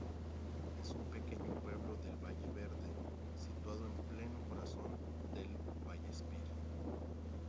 Es un pequeño pueblo del Valle Verde situado en pleno corazón del Vallespir.